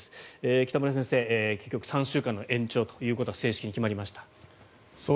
北村先生、結局３週間の延長ということが正式に決まりました。